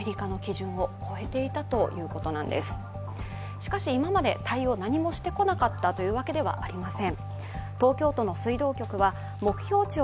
しかし、今まで対応を何もしてこなかったわけではありません。